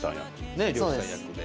ねえ漁師さん役で。